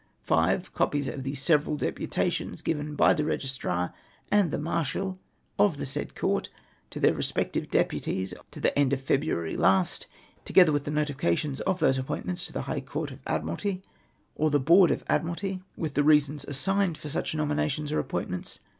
5. Copies of the several deputations given by the Eegistrar and the Marshal of the said Court to their respective deputies to the end of February last ; together with the notifications of those appointments to the High Court of Admiralty, or the Board of Admiralty, with the reasons assigned for such nominations or appointments.